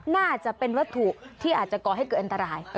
น่าจะเป็นวัตถุที่อาจจะก่อให้เกิดอันตราย